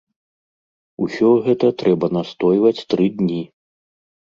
Усё гэта трэба настойваць тры дні.